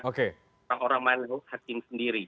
orang orang lain hakim sendiri